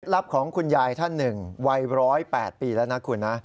ของคุณยายท่านหนึ่งวัย๑๐๘ปีแล้วนะคุณนะ